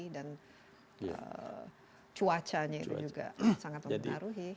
dan cuacanya itu juga sangat mempengaruhi